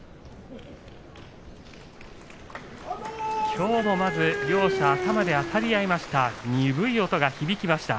きょうもまず両者頭であたり合いました。